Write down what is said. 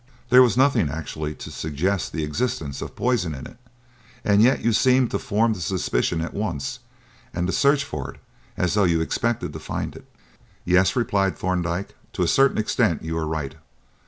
There was nothing actually to suggest the existence of poison in it, and yet you seemed to form the suspicion at once and to search for it as though you expected to find it." "Yes," replied Thorndyke; "to a certain extent you are right.